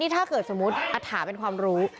ถ้าเกิดสมมุติอัตถาเป็นความรู้